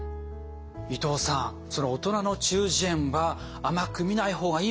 伊藤さんその大人の中耳炎は甘く見ない方がいいものもあるんですね。